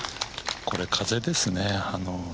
これ風ですね。